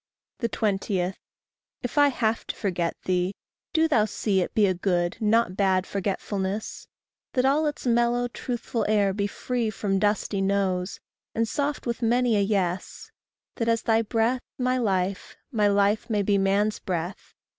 20. If I have to forget thee, do thou see It be a good, not bad forgetfulness; That all its mellow, truthful air be free From dusty noes, and soft with many a yes; That as thy breath my life, my life may be Man's breath.